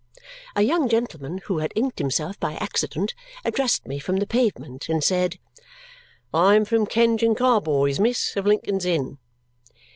A young gentleman who had inked himself by accident addressed me from the pavement and said, "I am from Kenge and Carboy's, miss, of Lincoln's Inn."